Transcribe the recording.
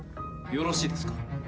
よろしいですか？